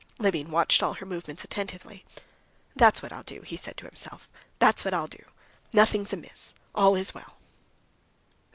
Levin watched all her movements attentively. "That's what I'll do," he said to himself; "that's what I'll do! Nothing's amiss.... All's well."